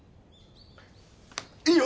いいよ！